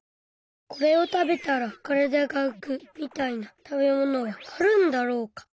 これをたべたら体がうくみたいな食べ物はあるんだろうか。